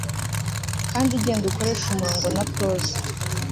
kandi genda ukoreshe umurongo na prose